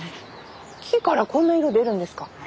木からこんな色出るんですか？